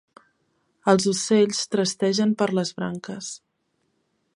Els ocells trastegen per les branques.